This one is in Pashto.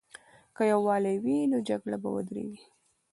که یووالی وي، نو جګړه به ودریږي.